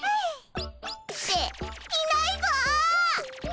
っていないぞ！